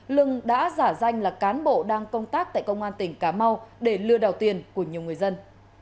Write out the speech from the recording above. lưng đã giả danh là cán bộ đang công tác tại công an tỉnh cà mau để lừa đảo tiền của nhiều người dân